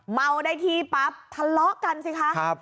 เมาได้ที่ปั๊บทะเลาะกันสิคะ